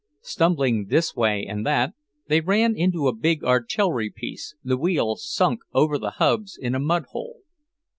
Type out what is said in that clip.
Stumbling this way and that, they ran into a big artillery piece, the wheels sunk over the hubs in a mud hole.